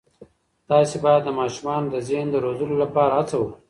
تاسې باید د ماشومانو د ذهن د روزلو لپاره هڅه وکړئ.